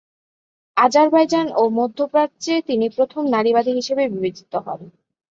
Azerbaijan ও মধ্যপ্রাচ্যে তিনি প্রথম নারীবাদী হিসেবে বিবেচিত হন।